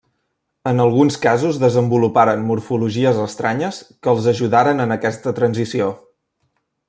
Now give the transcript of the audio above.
En alguns casos desenvoluparen morfologies estranyes que els ajudaren en aquesta transició.